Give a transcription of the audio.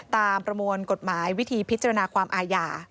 ประมวลกฎหมายวิธีพิจารณาความอาญา